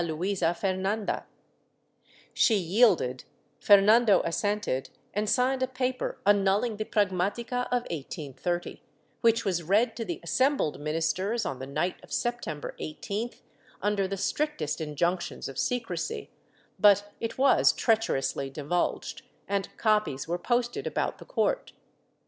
464 DECADENCE AND EXTINCTION [Book IX Luisa Fernanda, She yielded, Fernando assented and signed a paper annulling the pragmatica of 1830, which was read to the assembled ministers on the night of September 18th, under the strictest injunctions of secrecy, but it was treacherously divulged, and copies were posted about the court.